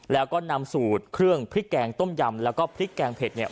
แล้วก็นำสูตรเครื่องพริกแกงต้มยำแล้วก็พริกแกงเผ็ดเนี่ย